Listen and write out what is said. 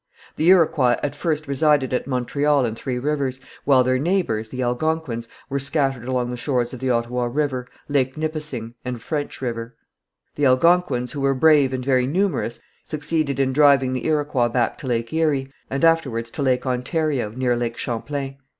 The Iroquois at first resided at Montreal and Three Rivers, while their neighbours, the Algonquins, were scattered along the shores of the Ottawa River, Lake Nipissing and French River. The Algonquins, who were brave and very numerous, succeeded in driving the Iroquois back to Lake Erie, and afterwards to Lake Ontario, near Lake Champlain.